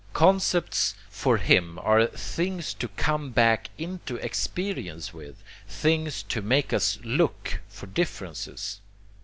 Concepts for him are things to come back into experience with, things to make us look for differences.